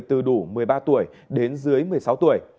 từ đủ một mươi ba tuổi đến dưới một mươi sáu tuổi